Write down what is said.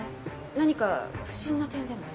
何か不審な点でも？